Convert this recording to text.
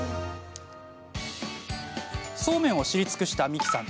そうめんを知り尽くした三木さん。